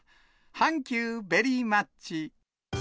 ハンキューベリーマッチ。